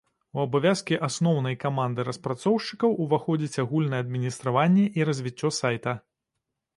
У абавязкі асноўнай каманды распрацоўшчыкаў уваходзіць агульнае адміністраванне і развіццё сайта.